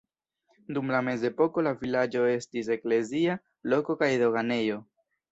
Dum la mezepoko la vilaĝo estis eklezia loko kaj doganejo.